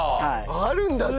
あるんだって。